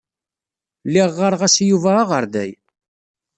Lliɣ ɣɣareɣ-as i Yuba aɣerday.